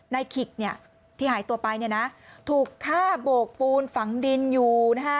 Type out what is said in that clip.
นายขิกที่หายตัวไปถูกฆ่าโบกปูนฝั่งดินอยู่